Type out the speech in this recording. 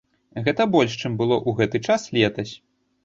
Гэта больш, чым было ў гэты час летась.